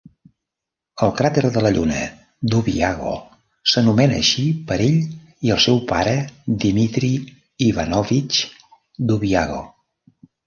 El cràter de la lluna Dubyago s'anomena així per ell i el seu pare, Dmitry Ivanovich Dubyago.